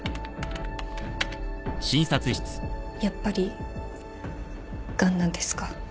やっぱりがんなんですか？